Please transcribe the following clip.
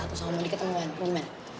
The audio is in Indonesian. aku sama moni ketemuan gimana